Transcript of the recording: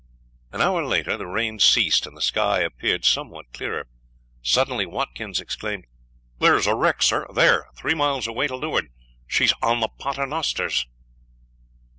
An hour later the rain ceased and the sky appeared somewhat clearer. Suddenly Watkins exclaimed, "There is a wreck, sir! There, three miles away to leeward. She is on the Paternosters."